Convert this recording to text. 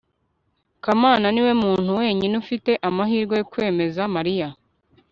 kamana niwe muntu wenyine ufite amahirwe yo kwemeza mariya